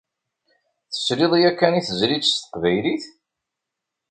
Tesliḍ yakan i tezlit s teqbaylit?